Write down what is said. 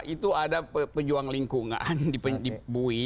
itu ada pejuang lingkungan di bui